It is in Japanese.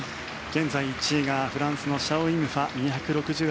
現在、１位がフランスのシャオ・イム・ファ２６８．９８。